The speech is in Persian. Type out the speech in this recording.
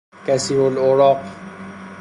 کثیرالاوراق